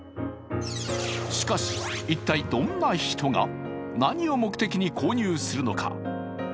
しかし一体どんな人が？何を目的に購入するのか。